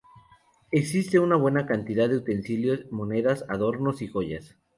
Existe una buena cantidad de utensilios, monedas, adornos y joyas.